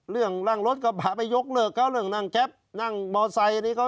เรื่องนั่งรถกระบะไปยกเลิกเขาเรื่องนั่งแก๊ปนั่งมอไซค์